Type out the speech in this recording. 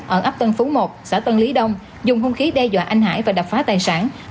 ở ấp tân phú một xã tân lý đông dùng hung khí đe dọa anh hải và đập phá tài sản